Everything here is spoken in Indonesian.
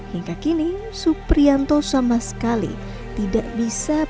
hingga kini suprianto sama sekali tidak bisa